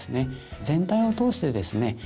全体を通してですね